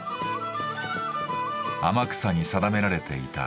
天草に定められていた